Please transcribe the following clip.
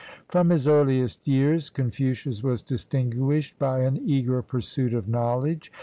From his earliest years, Confucius was distinguished by an eager pursuit of knowledge.